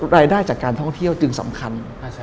รายได้จากการท่องเที่ยวจึงสำคัญ